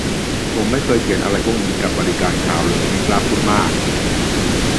ผมไม่เคยเขียนอะไรพวกนี้กับบริการคลาวด์เลย ไม่กล้าพูดมาก